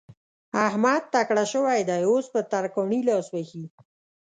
احمد تکړه شوی دی؛ اوس په ترکاڼي لاس وهي.